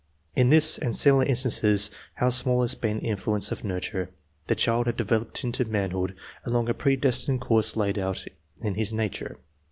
In this and similar instances how small has been the influence of nurture ; the child had developed into manhood, along a predestined course laid out in his nature.